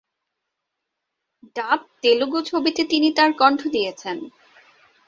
ডাব তেলুগু ছবিতেও তিনি তার কণ্ঠ দিয়েছেন।